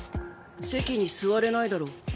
席に座れないだろう。